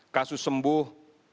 kasus sembuh enam ratus tiga puluh satu